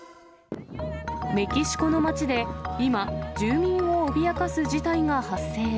メキシコの街で今、住民を脅かす事態が発生。